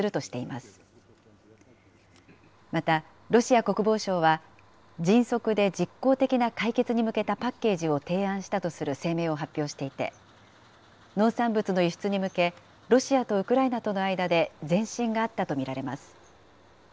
また、ロシア国防省は、迅速で実効的な解決に向けたパッケージを提案したとする声明を発表していて、農産物の輸出に向け、ロシアとウクライナとの間で前進があったと見られます。